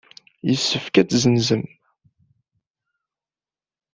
Yessefk ad t-tessenzem.